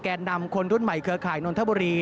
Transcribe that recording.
แก่นำคนรุ่นใหม่เค้าขายนทบรี